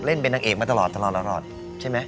เล่นเป็นนางเอกมาตลอดใช่ไหม